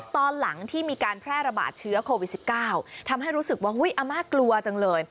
ตอนหลังที่มีการแพร่ระบาดเชื้อโควิด๑๙ทำให้รู้สึกว่าอาม่ากลัวจังเลย